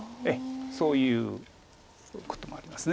そういうこともあります。